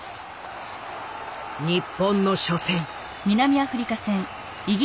日本の初戦。